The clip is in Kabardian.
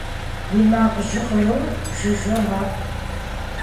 И макъ жьгъырур жыжьэ мэӀу.